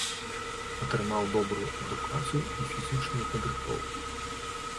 Атрымаў добрую адукацыю і фізічную падрыхтоўку.